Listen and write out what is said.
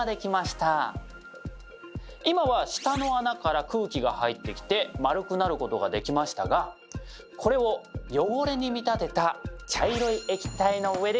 今は下の穴から空気が入ってきて丸くなることができましたがこれを汚れに見立てた茶色い液体の上でやってみましょう。